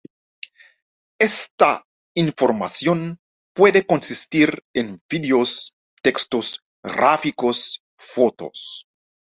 Esta información puede consistir en videos, textos, gráficos, fotos...